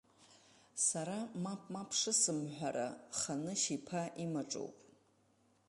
Сара мап-мап шысымҳәара ханышь-иԥа имаҿоуп.